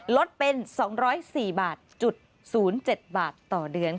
ลดเป็น๒๐๔บาท๐๗บาทต่อเดือน